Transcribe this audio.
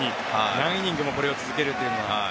何イニングもこれを続けるのは。